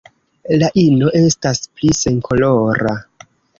La ino estas pli senkolora.